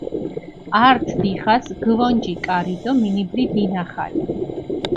ართ დიხას გჷვონჯი კარი დო მინიბლი დინახალე.